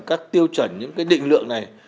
các tiêu chuẩn những cái định lượng này